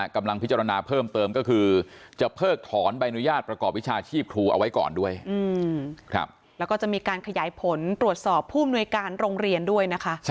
กำลังพิจารณาเพิ่มเติมก็คือจะเพิกถอนใบอนุญาตประกอบวิชาชีพครูเอาไว้ก่อนด้วยแล้วก็จะมีการขยายผลตรวจสอบผู้อำนวยการโรงเรียนด้วยนะคะ